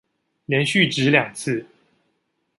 連續擲兩次